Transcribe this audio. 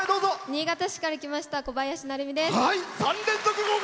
新潟市から来ましたこばやしです。